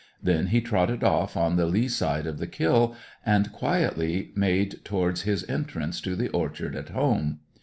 Then he trotted off on the lee side of the kill, and quietly made towards his entrance to the orchard at home.